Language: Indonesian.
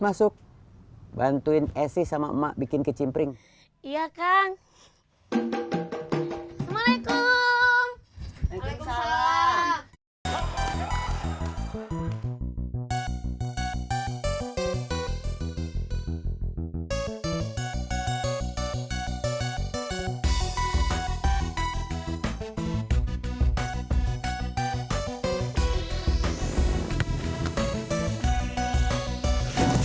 masuk bantuin esi sama emak bikin kecimpring iya kan assalamualaikum